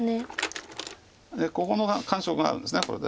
ここの感触があるんですこれで。